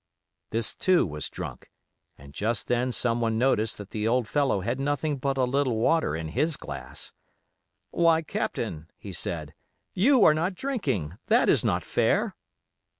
This too, was drunk, and just then someone noticed that the old fellow had nothing but a little water in his glass. 'Why, Captain,' he said, 'you are not drinking! that is not fair.